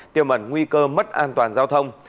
tiêu mẩn nguy cơ mất an toàn giao thông